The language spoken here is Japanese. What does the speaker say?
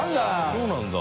そうなんだ。